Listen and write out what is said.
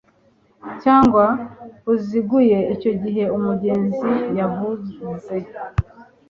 cyangwa buziguye icyo gihe umugenzuzi yavuze